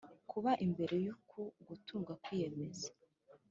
kubara imbere yuku gutunga kwiyemeza